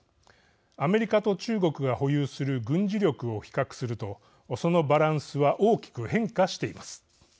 アメリカと中国が保有する軍事力を比較するとそのバランスは大きく変化しています。